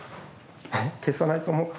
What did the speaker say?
消さないと思った？